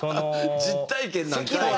実体験なんかい。